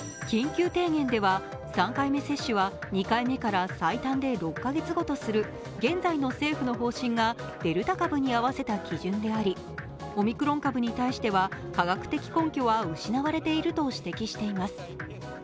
緊急提言では３回目接種は２回目から最短で６カ月後とする現在の政府の方針がデルタ株に合わせた基準でありオミクロン株に対しては科学的根拠は失われていると指摘しています。